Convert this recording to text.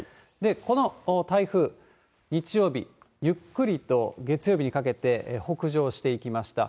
この台風、日曜日、ゆっくりと月曜日にかけて北上していきました。